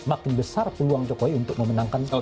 makin besar peluang jokowi untuk memenangkan